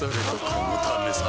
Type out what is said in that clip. このためさ